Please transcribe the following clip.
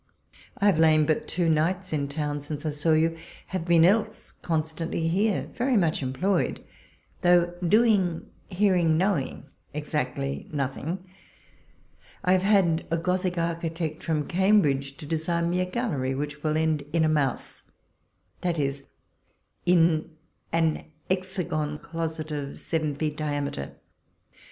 I have lain but two nights in town since I saw you ; have been, else, constantly here, very much employed, though doing, hear ing, knowing exactly nothing. I have had a Gothic architect from Cambridge to design me a gallery, which will end in a mouse, that is, in an hexagon closet of seven feet diameter.